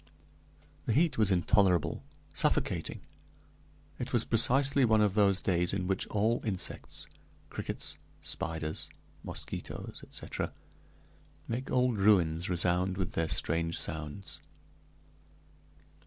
The heat was intolerable, suffocating; it was precisely one of those days in which all insects crickets, spiders, mosquitoes, etc. make old ruins resound with their strange sounds.